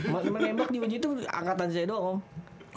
menembak di wajah itu angkatan saya doang om